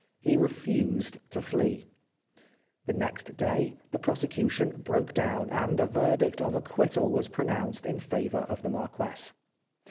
He refused to flee. The next day the prosecution broke down, and a verdict of acquittal was pronounced in favour of the Marquess.